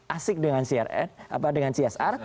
asik dengan csr